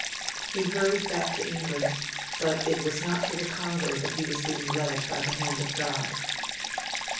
He hurried back to England; but it was not to the Congo that he was being led by the hand of God.